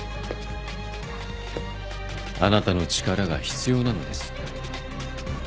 あなたの力が必要なのです。